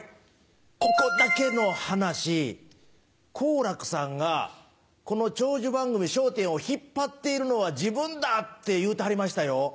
ここだけの話好楽さんがこの長寿番組『笑点』を引っ張っているのは自分だって言うてはりましたよ。